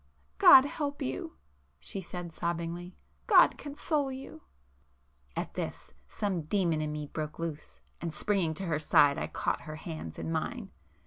"God help you!" she said sobbingly—"God console you!" At this, some demon in me broke loose, and springing to her side I caught her hands in mine.